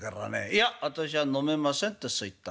『いや私は飲めません』ってそう言ったの。